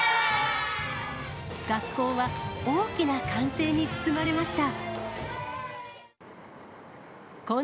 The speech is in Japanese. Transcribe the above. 学校は大きな歓声に包まれました。